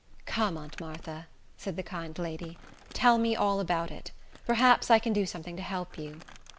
"Come, Aunt Martha," said the kind lady, "tell me all about it. Perhaps I can do something to help you."